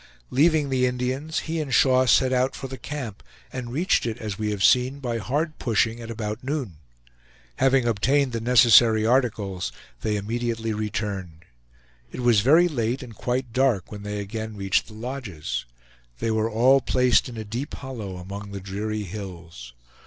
Leaving the Indians, he and Shaw set out for the camp and reached it, as we have seen, by hard pushing, at about noon. Having obtained the necessary articles, they immediately returned. It was very late and quite dark when they again reached the lodges. They were all placed in a deep hollow among the dreary hills.